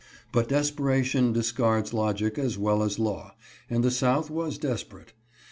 But desperation discards logic as well as law, and the South was desperate.